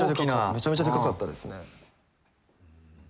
めちゃめちゃでかかったですね。